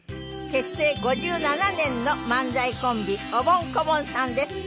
結成５７年の漫才コンビおぼん・こぼんさんです。